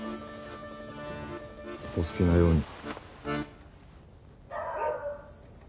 お好きなように。